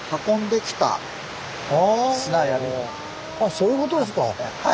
そういうことですか。